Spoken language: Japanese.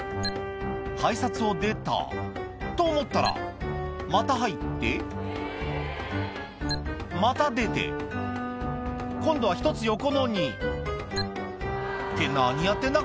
改札を出たと思ったらまた入ってまた出て今度は１つ横のにって何やってんだ？